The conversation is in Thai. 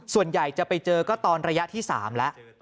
ส่วนใหญ่จะไปเจอก็ตอนระยะที่๓แล้ว